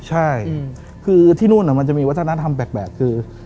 ใช่คือที่นู่นมันจะมีวัฒนธรรมแปลกคือ